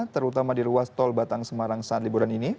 terutama di ruas tol batang semarang saat liburan ini